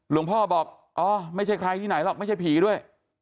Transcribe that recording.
พ่อบอกอ๋อไม่ใช่ใครที่ไหนหรอกไม่ใช่ผีด้วย